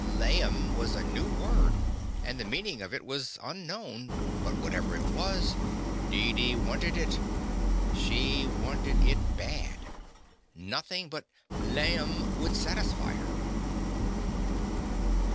"Laim" was a new word, and the meanin' of it was unknown, but, whatever it was, Deedee wanted it. She wanted it bad. Nothin' but "laim*' would satisfy her.